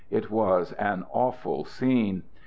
It was an awful scene.